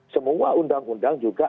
semua undang undang juga